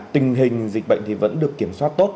tình hình dịch bệnh thì vẫn được kiểm soát tốt